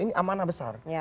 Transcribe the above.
ini amanah besar